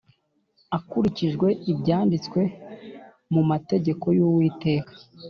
Akurikije ibyanditswe mu mategeko y uwiteka